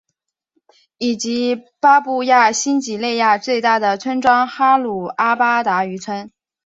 以及巴布亚新几内亚最大的村庄哈努阿巴达渔村。